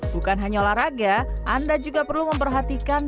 bukan hanya olahraga anda juga perlu memperhatikan